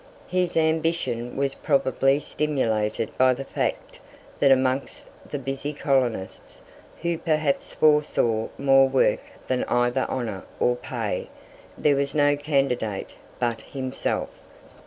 His ambition was probably stimulated by the fact that amongst the busy colonists, who perhaps foresaw more work than either honour or pay, there was no candidate but himself.